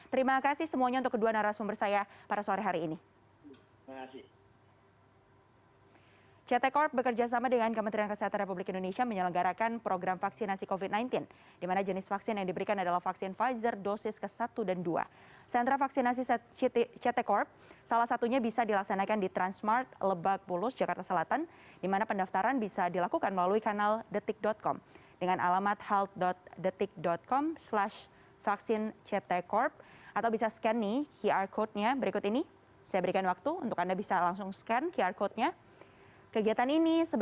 terima kasih semuanya untuk kedua narasumber saya pada sore hari ini